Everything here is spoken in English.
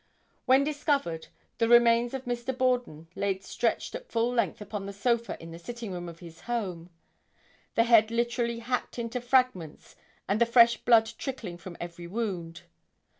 ] When discovered, the remains of Mr. Borden lay stretched at full length upon the sofa in the sitting room of his home; the head literally hacked into fragments and the fresh blood trickling from every wound.